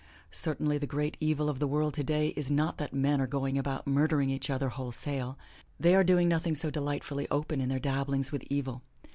Certainly the great evil of the world today is not that men are going about murdering each other wholesale. They are doing nothing so delightfully open in their dabblings with evil.